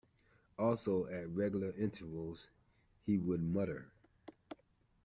Also, at regular intervals, he would mutter.